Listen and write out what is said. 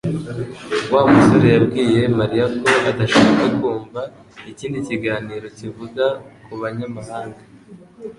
Wa musore yabwiye Mariya ko adashaka kumva ikindi kiganiro kivuga ku banyamahanga